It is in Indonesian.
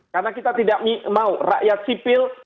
karena kita tidak mau rakyat sipil